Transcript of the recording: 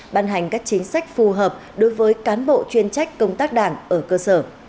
ban hành các chính sách phù hợp đối với cán bộ chuyên trách công tác đảng ở cơ sở